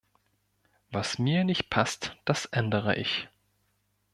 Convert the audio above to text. Was mir nicht passt, das ändere ich.